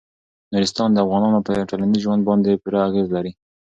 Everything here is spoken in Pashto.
نورستان د افغانانو په ټولنیز ژوند باندې پوره اغېز لري.